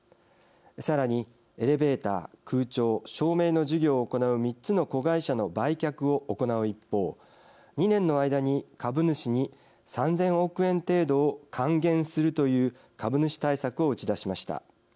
さらに、エレベーター、空調照明の事業を行う３つの子会社の売却を行う一方２年の間に株主に３０００億円程度を還元するという株主対策を打ち出しました。